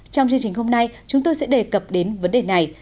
trong chương trình hôm nay chúng tôi sẽ đề cập đến vấn đề này